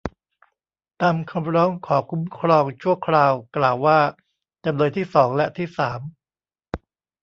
ตามคำร้องขอคุ้มครองชั่วคราวกล่าวว่า จำเลยที่สองและที่สาม